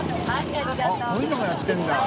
△こういうのもやってるんだ。